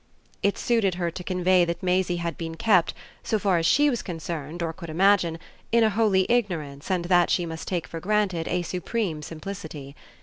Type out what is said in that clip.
It suited her to convey that Maisie had been kept, so far as SHE was concerned or could imagine, in a holy ignorance and that she must take for granted a supreme simplicity.